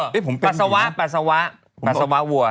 ขี้วแบบนี้เหรอ